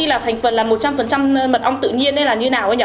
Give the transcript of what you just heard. có ghi là thành phần là một trăm linh mật ong tự nhiên đấy là như nào ấy nhỉ